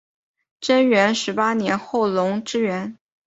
贞元十八年后垄之原。